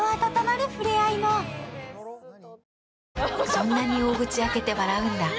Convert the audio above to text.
そんなに大口開けて笑うんだ。